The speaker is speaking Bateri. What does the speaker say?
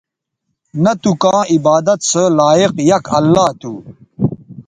نہ تھو کاں عبادت سو لائق یک اللہ تھو